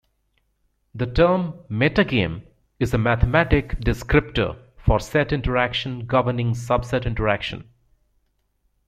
The term "metagame" is a mathematic descriptor for set interaction governing subset interaction.